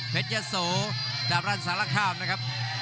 เพชรยะสูดาบรันสารข้ามนะครับ